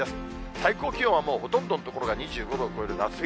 最高気温はもう、ほとんどの所が２５度を超える夏日。